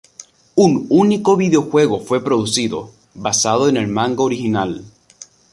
Un único videojuego fue producido, basado en el manga original.